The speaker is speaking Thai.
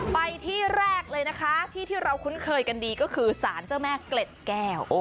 ไปที่แรกเลยนะคะที่ที่เราคุ้นเคยกันดีก็คือสารเจ้าแม่เกล็ดแก้ว